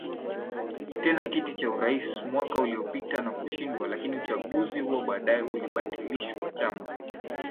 tena kiti cha urais mwaka uliopita na kushindwa lakini uchaguzi huo baadaye ulibatilishwaChama